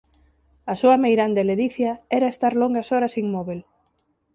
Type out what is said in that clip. A súa meirande ledicia era estar longas horas inmóbel